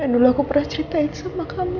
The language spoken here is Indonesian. yang dulu aku pernah ceritain sama kamu